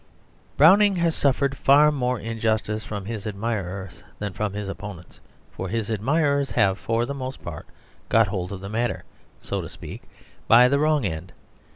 Browning has suffered far more injustice from his admirers than from his opponents, for his admirers have for the most part got hold of the matter, so to speak, by the wrong end.